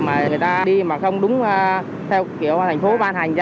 mà người ta đi mà không đúng theo kiểu thành phố ban hành ra đó